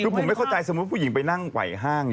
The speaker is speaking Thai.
คือผมไม่เข้าใจสมมุติผู้หญิงไปนั่งไหวห้าง